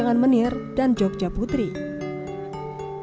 yogyakarta yogyakarta yogyakarta yogyakarta yogyakarta